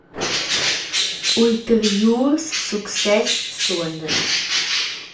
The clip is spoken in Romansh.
Ulteriurs success suondan.